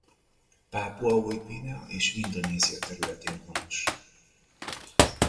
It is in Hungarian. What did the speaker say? Pápua Új-Guinea és Indonézia területén honos.